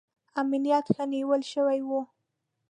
امنیت ښه نیول شوی و.